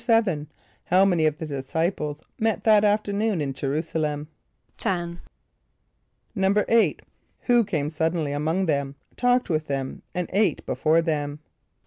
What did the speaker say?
= =7.= How many of the disciples met that afternoon in J[+e] r[u:]´s[+a] l[)e]m? =Ten.= =8.= Who came suddenly among them, talked with them, and ate before them?